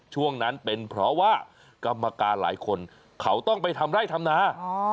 ช่วงนั้นเป็นเพราะว่ากรรมการหลายคนเขาต้องไปทำไร่ทำนา